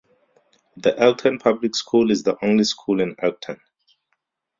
The Elkton Public School is the only school in Elkton.